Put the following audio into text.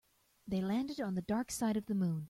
They landed on the dark side of the moon.